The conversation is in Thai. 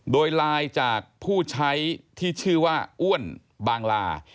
โดยไลน์จากผู้ใช้ที่ชื่อว่าอ้วนบางลา